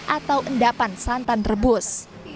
atau endapan santan rebus